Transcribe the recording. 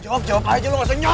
jawab jawab aja lu nggak senyot